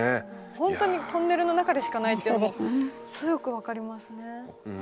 ほんとにトンネルの中でしかないというのもすごくよく分かりますね。